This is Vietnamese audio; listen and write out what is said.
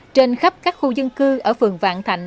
trên khắp các khu dân cư ở phường vạn thạnh